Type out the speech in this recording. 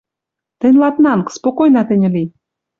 Тӹнь ладнанг, спокойна тӹньӹ ли.